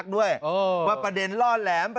สมัยไม่เรียกหวังผม